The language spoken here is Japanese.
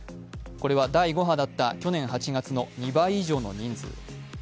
これは第５波だった去年８月の２倍以上の人数。